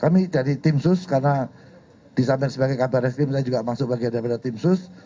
kami dari tim sus karena di samping sebagai kabar reskrim saya juga masuk bagian daripada tim sus